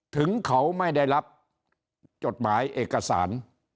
ถึงเขาไม่ได้รับจดหมายเอกสาร